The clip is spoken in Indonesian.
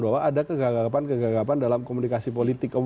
bahwa ada kegagapan kegagapan dalam komunikasi politik